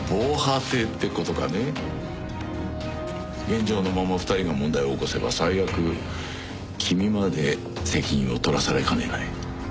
現状のまま２人が問題を起こせば最悪君まで責任を取らされかねない。